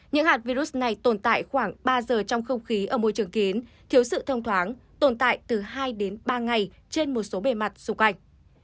những hạt virus này tồn tại khoảng ba giờ trong không khí ở môi trường kín thiếu sự thông thoáng tồn tại từ hai đến ba ngày trên một số bề mặt xung quanh